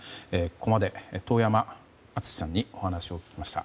ここまで遠山純司さんにお話を聞きました。